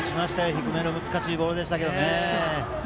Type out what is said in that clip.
低めの難しいボールでしたが。